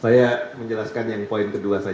saya menjelaskan yang poin kedua saja